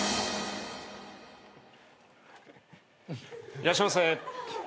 いらっしゃいませ。